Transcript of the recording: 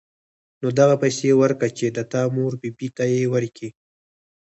نو دغه پيسې وركه چې د تا مور بي بي ته يې وركي.